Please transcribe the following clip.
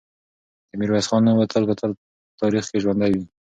د میرویس خان نوم به تل په تاریخ کې ژوندی وي.